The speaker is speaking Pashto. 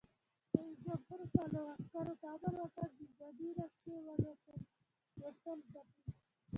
رئیس جمهور خپلو عسکرو ته امر وکړ؛ نظامي نقشې لوستل زده کړئ!